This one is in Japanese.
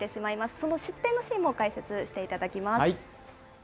その失点のシーンも解説していただきます。